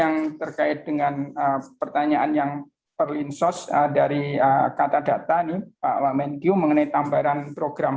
yang terkait dengan pertanyaan yang perlinsos dari kata data nih pak wamenkyu mengenai tambahan program